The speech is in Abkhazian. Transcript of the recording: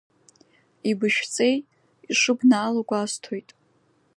Ибышәҵеи, ишыбнаало гәасҭоит.